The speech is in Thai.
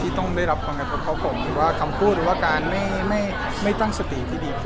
ที่ต้องได้รับความกระทบของผมคือว่าคำพูดหรือการไม่ตั้งสติที่ดี